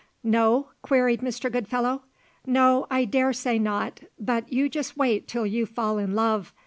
"No?" queried Mr. Goodfellow. "No, I dare say not; but you just wait till you fall in love.